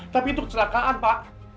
tapi itu kecelakaan pak